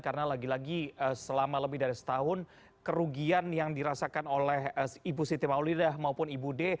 karena lagi lagi selama lebih dari setahun kerugian yang dirasakan oleh ibu siti maulidah maupun ibu d